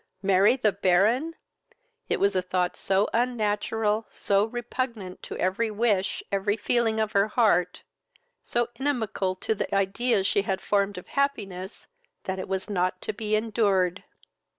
Marry the Baron! it was a thought so unnatural, so repugnant to every wish, every feeling of her heart, so inimical to the ideas she had formed of happiness, that it was not to be endured.